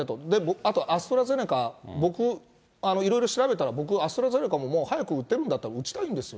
あと、アストラゼネカ、僕、いろいろ調べたら、僕、アストラゼネカももう早く打てるんだったら、打ちたいんですよ。